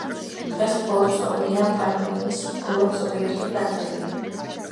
დღეს მხოლოდ ცნობილია ამ თარგმანის მხოლოდ ზოგიერთი ფრაგმენტი.